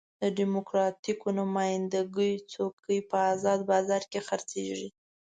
د ډیموکراتیکو نماینده ګیو څوکۍ په ازاد بازار کې خرڅېږي.